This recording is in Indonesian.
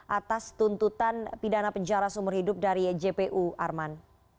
atas tuntutan pidana penjara seumur hidup dari jpu arman